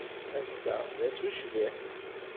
Ass-a d ass ucbiḥ.